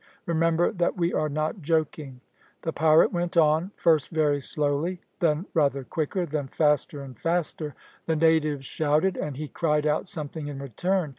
Remember that we are not joking." The pirate went on, first very slowly, then rather quicker, then faster and faster. The natives shouted, and he cried out something in return.